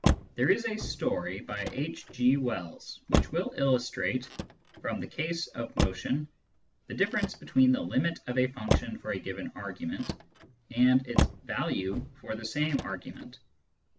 There is a story by H. G. Wells which will illustrate, from the case of motion, the difference between the limit of a function for a given argument and its value for the same argument.